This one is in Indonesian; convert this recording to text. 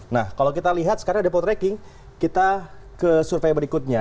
nah kalau kita lihat sekarang ada potreking kita ke survei berikutnya